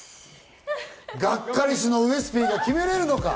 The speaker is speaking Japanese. ガッカりすのウエスＰが決められるのか？